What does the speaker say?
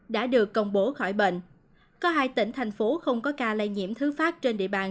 đã được công bố khỏi bệnh có hai tỉnh thành phố không có ca lây nhiễm thứ phát trên địa bàn